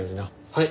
はい。